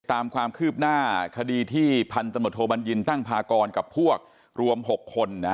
ตามความคืบหน้าคดีที่พันตำรวจโทบัญญินตั้งพากรกับพวกรวม๖คน